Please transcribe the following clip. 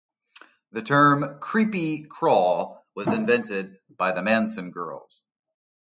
The term "creepy crawl" was invented by the Manson girls.